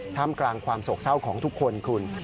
ท่ามกลางความโศกเศร้าของทุกคนคุณ